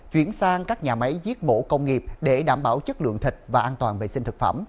chuyển sang các nhà máy giết mổ công nghiệp để đảm bảo chất lượng thịt và an toàn công nghiệp